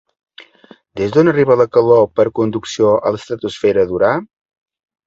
Des d'on arriba la calor per conducció a l'estratosfera d'Urà?